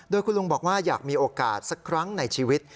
โดยคุณลุงบอกว่าอยากมีโอกาสสักครั้งในชีวิต